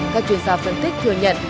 các chuyên gia phân tích thừa nhận